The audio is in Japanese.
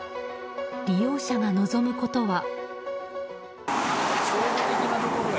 利用者が望むことは。